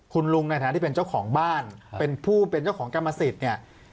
คุณลุงในฐานะที่เป็นเจ้าของบ้านเป็นผู้เป็นเจ้าของกรรมสิทธิ์เนี่ย